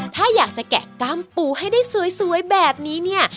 ถ้าอยากจะแกะกล้ามปูให้ได้สวยแบบนี้เนี่ย